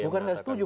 bukan tidak setuju